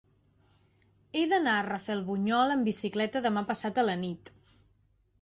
He d'anar a Rafelbunyol amb bicicleta demà passat a la nit.